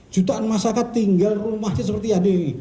jutaan masyarakat tinggal di rumahnya seperti ini